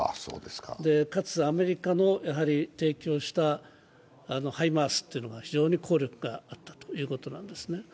かつ、アメリカの提供したハイマースというのが非常に効力があったということなんですね。